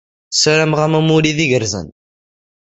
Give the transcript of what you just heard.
Sarameɣ-am amulli d igerrzen.